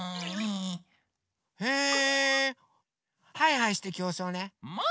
へえハイハイしてきょうそうね！もい！